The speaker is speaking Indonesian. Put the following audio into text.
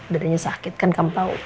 dadanya sakit kan kamu tau